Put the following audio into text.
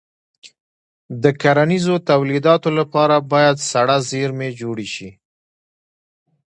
د کرنیزو تولیداتو لپاره باید سړه زېرمې جوړې شي.